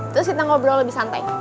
terus kita ngobrol lebih santai